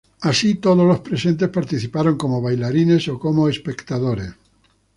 Así todos los presentes participaron como bailarines o como espectadores.